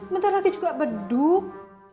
bentar lagi juga beduk